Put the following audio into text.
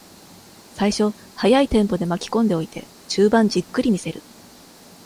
最初、速いテンポで巻きこんでおいて、中盤じっくり見せる。